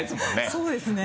そうですね。